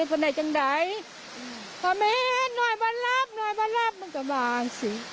กอดเท้ายาย